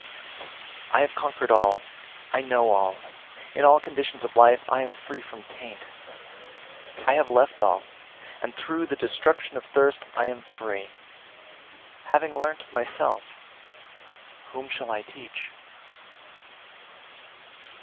353. `I have conquered all, I know all, in all conditions of life I am free from taint; I have left all, and through the destruction of thirst I am free; having learnt myself, whom shall I teach?'